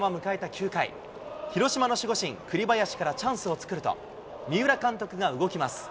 ９回、広島の守護神、栗林からチャンスを作ると、三浦監督が動きます。